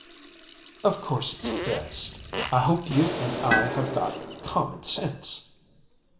"Of course it's best. I hope you and I have got common sense."